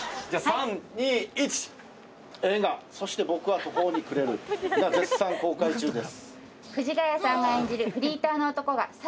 映画『そして僕は途方に暮れる』が絶賛公開中です。